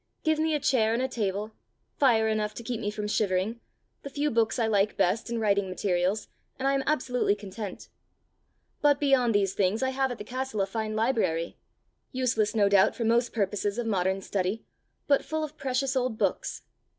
Give me a chair and a table, fire enough to keep me from shivering, the few books I like best and writing materials, and I am absolutely content. But beyond these things I have at the castle a fine library useless no doubt for most purposes of modern study, but full of precious old books.